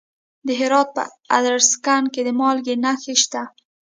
د هرات په ادرسکن کې د مالګې نښې شته.